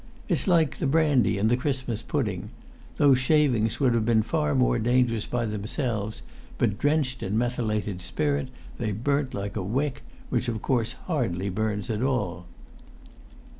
It's like the brandy and the Christmas pudding. Those shavings would have been far more dangerous by themselves, but drenched in methylated spirit they burnt like a wick, which of course hardly burns at all."